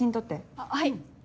あっはい。